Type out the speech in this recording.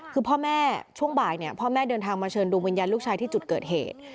คือพ่อแม่ช่วงบ่ายเนี่ยพ่อแม่เดินทางมาเชิญดวงวิญญาณลูกชายที่จุดเกิดเหตุ